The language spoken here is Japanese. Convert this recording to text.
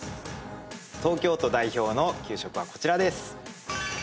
東京都代表の給食はこちらです。